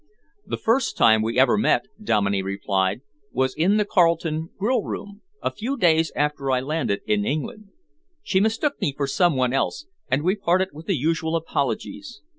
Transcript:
"The first time we ever met," Dominey replied, "was in the Carlton grill room, a few days after I landed in England. She mistook me for some one else, and we parted with the usual apologies.